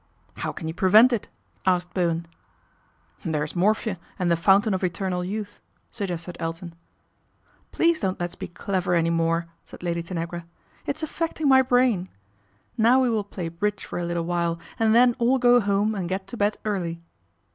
" How can you prevent it ?" asked Bowen. " There is morphia and the fountain of eternal youth," suggested Elton. " Please don't let's be clever any more," saic Lady Tanagra. " It's affecting my brain. Nov we will play bridge for a little while and then al go home and get to bed early."